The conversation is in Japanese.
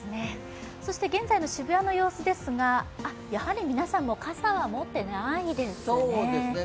現在の渋谷の様子ですがやはり皆さんも傘持っていないですね。